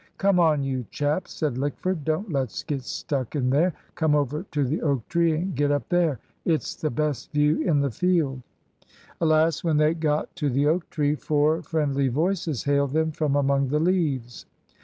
"Come on, you chaps," said Lickford; "don't let's get stuck in there. Come over to the oak tree, and get up there. It's the best view in the field." Alas! when they got to the oak tree, four friendly voices hailed them from among the leaves.